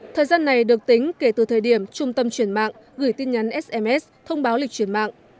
thời gian này được tính kể từ thời điểm trung tâm chuyển mạng gửi tin nhắn sms thông báo lịch chuyển mạng